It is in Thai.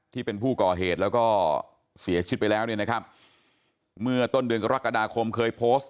ที่เป็นผู้ก่อเหตุแล้วก็เสียชีวิตไปแล้วเนี่ยนะครับเมื่อต้นเดือนกรกฎาคมเคยโพสต์